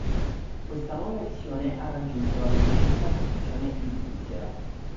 Questa nuova versione ha raggiunto la dodicesima posizione in Svezia.